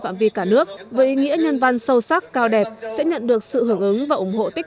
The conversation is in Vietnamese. phạm vi cả nước với ý nghĩa nhân văn sâu sắc cao đẹp sẽ nhận được sự hưởng ứng và ủng hộ tích